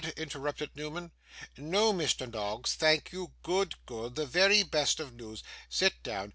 interrupted Newman. 'No, Mr. Noggs, thank you; good, good. The very best of news. Sit down.